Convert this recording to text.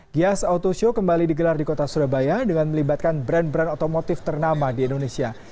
gias auto show kembali digelar di kota surabaya dengan melibatkan brand brand otomotif ternama di indonesia